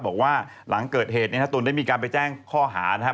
บอกว่าหลังเกิดเหตุเนี่ยฮะตูนได้มีการไปแจ้งข้อหานะครับ